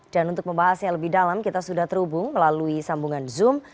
dan untuk membahasnya lebih dalam kita sudah terhubung melalui sambungan zoom